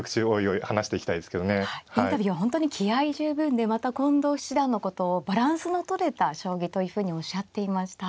はいインタビューは本当に気合い十分でまた近藤七段のことをバランスのとれた将棋というふうにおっしゃっていました。